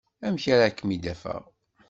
Amek ara kem-id-afeɣ?